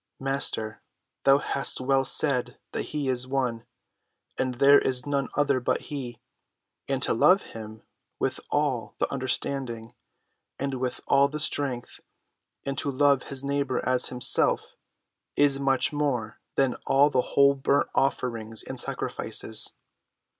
"Master, thou hast well said that he is one; and there is none other but he; and to love him with all the understanding, and with all the strength, and to love his neighbor as himself, is much more than all whole burnt offerings and sacrifices."